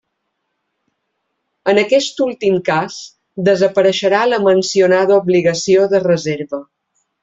En aquest últim cas desapareixerà la mencionada obligació de reserva.